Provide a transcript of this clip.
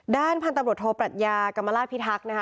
ด้านพาร์ทตำรวจโทษปรัชญากำลักพิทักษ์